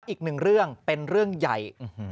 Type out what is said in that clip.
อีกหนึ่งเรื่องเป็นเรื่องใหญ่